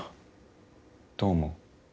どう思う？